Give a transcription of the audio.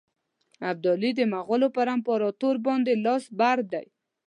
ابدالي د مغولو پر امپراطور باندي لاس بر دی.